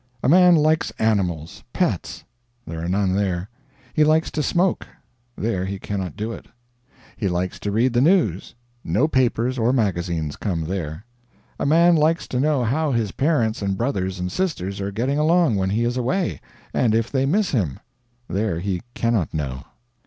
A man likes animals pets; there are none there. He likes to smoke there he cannot do it. He likes to read the news no papers or magazines come there. A man likes to know how his parents and brothers and sisters are getting along when he is away, and if they miss him there he cannot know.